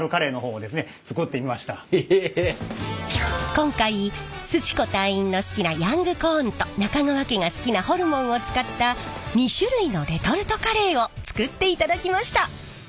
今回すち子隊員の好きなヤングコーンと中川家が好きなホルモンを使った２種類のレトルトカレーを作っていただきました。